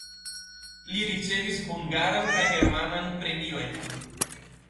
Li ricevis hungaran kaj germanan premiojn.